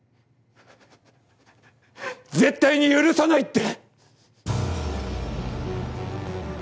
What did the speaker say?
絶対に許さないって！